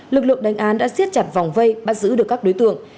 lực lượng đánh án đã xiết chặt vòng vây bắt giữ được các đối tượng